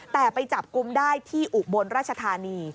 แต่ไปจับกลุ่มได้ที่อุบลราชธานี